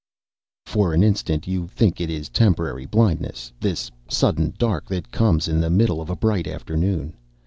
_ For an instant you think it is temporary blindness, this sudden dark that comes in the middle of a bright afternoon.